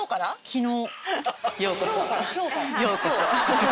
昨日。